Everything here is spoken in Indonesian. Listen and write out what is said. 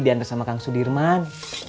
diantar sama kang sudirman